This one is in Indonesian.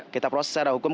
kita proses secara hukum